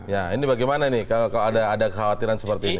ya ini bagaimana nih kalau ada kekhawatiran seperti itu